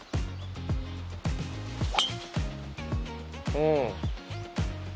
うん。